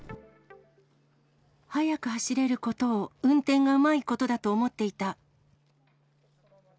速く走れることを、運転がうまいことだと思っていた。